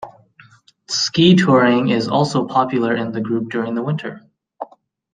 Ski touring is also popular in the group during the winter.